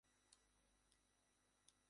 এইটেতেই অমিতকে এত করে আকর্ষণ করেছে।